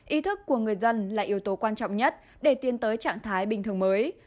ý thức của người dân là yếu tố quan trọng nhất để tiến tới trạng thái bình thường mới